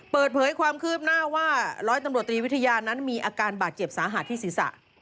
เปิดเผยความคืบหน้าว่าร้อยตำรวจตรีวิทยานั้นมีอาการบาดเจ็บสาหัสที่ศีรษะ